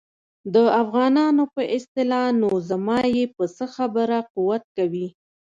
د افغانانو په اصطلاح نو زما یې په څه خبره قوت کوي.